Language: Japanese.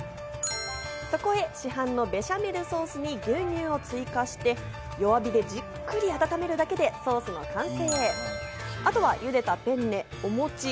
そこへ市販のベシャメルソースに牛乳を追加して弱火でじっくり温めるだけでソースの完成。